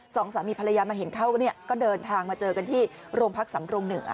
สองสามีภรรยามาเห็นเข้าเนี่ยก็เดินทางมาเจอกันที่โรงพักสำรงเหนือ